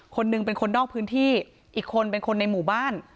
คนหนึ่งเป็นคนนอกพื้นที่อีกคนเป็นคนในหมู่บ้าน